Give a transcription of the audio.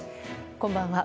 こんばんは。